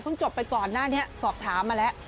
มันก็ต้องจบไปก่อนหน้านี้สอบถามมาแหละ